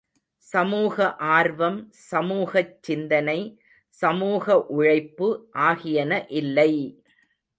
சமூக ஆர்வம், சமூகச் சிந்தனை, சமூக உழைப்பு ஆகியன இல்லை!